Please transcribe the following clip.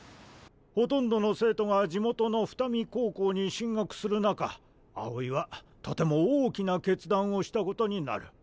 ほとんどの生徒が地元の双海高校に進学する中青井はとても大きな決断をしたことになる。